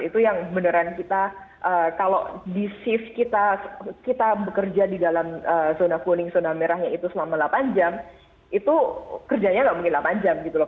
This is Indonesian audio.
itu yang beneran kita kalau di shift kita bekerja di dalam zona kuning zona merahnya itu selama delapan jam itu kerjanya nggak mungkin delapan jam gitu loh